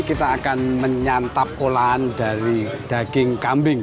kita akan menyantap olahan dari daging kambing